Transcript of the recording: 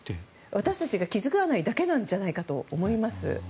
私たちが気付かないだけなんじゃないかと思います。